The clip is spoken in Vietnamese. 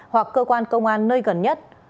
hoặc cơ quan công an nơi gần nhất